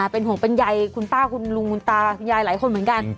เป็นห่วงเป็นใยคุณป้าคุณลุงคุณตาคุณยายหลายคนเหมือนกัน